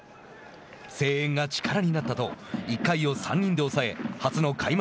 声援が力になったと１回を３人で抑え初の開幕